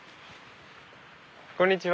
こんにちは。